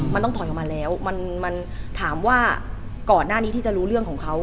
มันต้องถอยออกมาแล้วมันถามว่าก่อนหน้านี้ที่จะรู้เรื่องของเขา